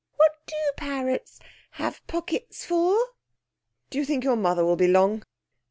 'What do parrots have pockets for?' 'Do you think your mother will be long?'